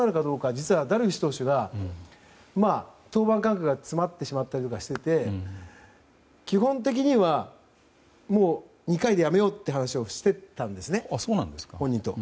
実はダルビッシュ投手が登板間隔が詰まってしまったりしていて基本的には２回でやめようという話をしてたんです、本人と。